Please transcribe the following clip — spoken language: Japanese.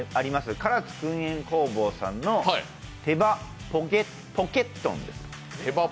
唐津くん煙工房さんの手羽ポケットンです。